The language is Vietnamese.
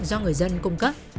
do người dân cung cấp